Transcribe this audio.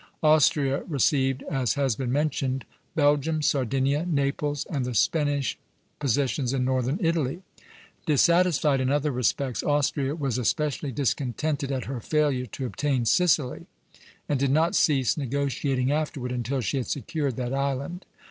Austria received, as has been mentioned, Belgium, Sardinia, Naples, and the Spanish possessions in northern Italy; dissatisfied in other respects, Austria was especially discontented at her failure to obtain Sicily, and did not cease negotiating afterward, until she had secured that island.